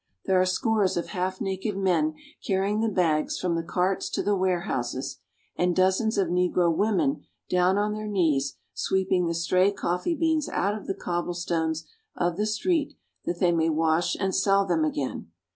There are scores of half naked men carrying the bags from the carts to the ware houses, and dozens of negro women down on their knees sweeping the stray coffee beans out of the cobblestones of the street that they may wash and sell them again.